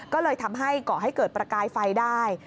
ก็เลยทำให้เกิดประกายไฟได้